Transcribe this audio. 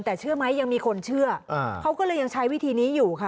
แต่เชื่อไหมยังมีคนเชื่อเขาก็เลยยังใช้วิธีนี้อยู่ค่ะ